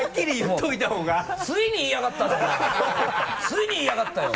ついに言いやがったよ。